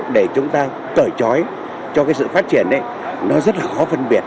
để chúng ta cởi chói cho sự phát triển nó rất là khó phân biệt